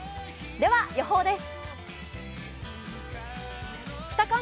では予報です。